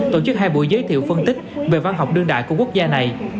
tổ chức hai buổi giới thiệu phân tích về văn học đương đại của quốc gia này